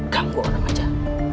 ganggu orang aja